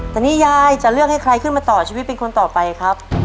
แต่นี่ยายจะเลือกให้ใครขึ้นมาต่อชีวิตเป็นคนต่อไปครับ